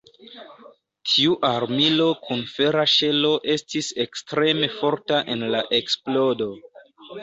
Tiu armilo kun fera ŝelo estis ekstreme forta en la eksplodo.